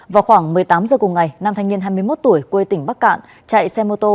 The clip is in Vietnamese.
vào khoảng một mươi tám h cùng ngày năm thanh niên hai mươi một tuổi quê tỉnh bắc cạn chạy xe mô tô